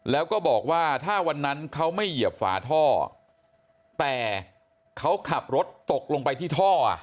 แล้วก็บอกว่าถ้าวันนั้นเขาไม่เหยียบฝาท่อแต่เขาขับรถตกลงไปที่ท่อ